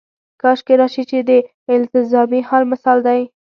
کاشکې راشي هم د التزامي حال مثال دی.